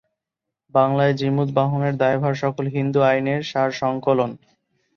বাংলায় জীমূতবাহনের দায়ভাগ সকল হিন্দু-আইনের সারসংকলন।